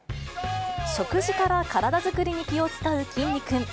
食事から体作りに気を遣うきんに君。